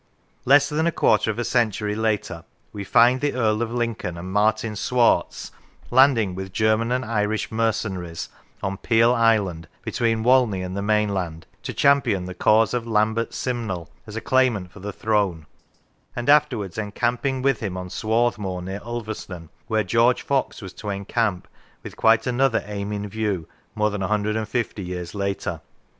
Less than a quarter of a century later we find the Earl of Lincoln and Martin Swartz landing with German and Irish mercenaries on Piel Island, between Walney and the mainland, to champion the cause of Lambert Simnel as a claimant for the throne; and afterwards encamping with him on Swarthmoor, near Ulverston, where George Fox was to encamp, with quite another aim in view, more than 150 years later.